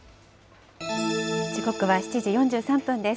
時刻は７時４３分です。